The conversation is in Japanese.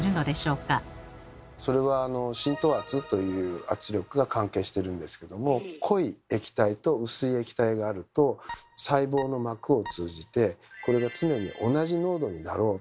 それは「浸透圧」という圧力が関係してるんですけども濃い液体と薄い液体があると細胞の膜を通じてこれが常に同じ濃度になろう。